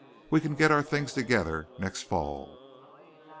We can get our things together next fall."